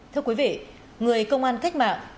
thưa quý vị người công an khách mạng